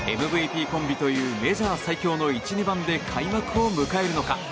ＭＶＰコンビというメジャー最強の１、２番で開幕を迎えるのか。